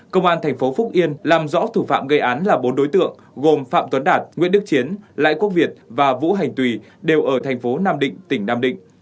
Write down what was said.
công an thành phố phúc yên làm rõ thủ phạm gây án là bốn đối tượng gồm phạm tuấn đạt nguyễn đức chiến lại quốc việt và vũ hành tùy đều ở thành phố nam định tỉnh nam định